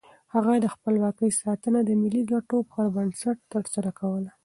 هغه د خپلواکۍ ساتنه د ملي ګټو پر بنسټ ترسره کوله.